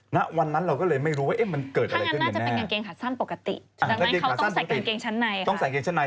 ณวันนั้นเราก็เลยไม่รู้ว่ามันเกิดอะไรกันอย่างแน่